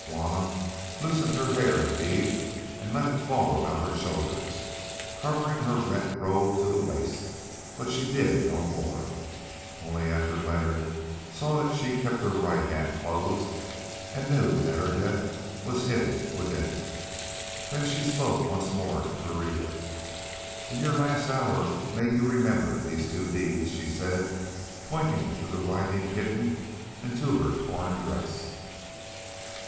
Juanna loosed her hair indeed, and let it fall about her shoulders, covering her rent robe to the waist, but she did no more. Only after this Leonard saw that she kept her right hand closed, and knew that her death was hidden within it. Then she spoke once more to Pereira. "In your last hour may you remember these two deeds!" she said, pointing to the writhing kitten and to her torn dress.